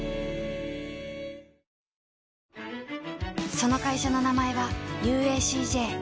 その会社の名前は ＵＡＣＪ